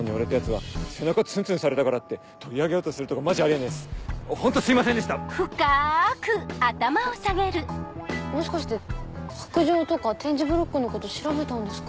えっもしかして白杖とか点字ブロックのこと調べたんですか？